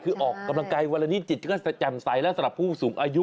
คือกำลังกายวันนี้ก็จะมีหลายทีและสำหรับผู้สูงอายุ